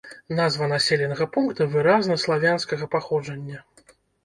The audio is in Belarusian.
Назва населенага пункта выразна славянскага паходжання.